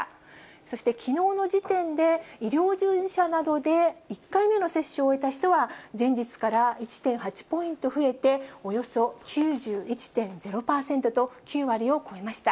そしてきのうの時点で、医療従事者などで１回目の接種を終えた人は、前日から１．８ポイント増えて、およそ９１．０％と、９割を超えました。